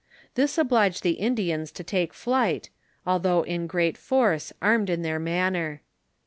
This obliged the Indians to take flight, although in great force, armed in their manner.